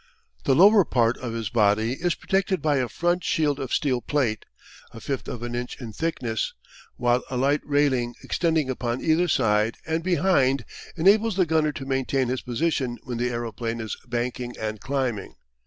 The lower part of his body is protected by a front shield of steel plate, a fifth of an inch in thickness, while a light railing extending upon either side and behind enables the gunner to maintain his position when the aeroplane is banking and climbing.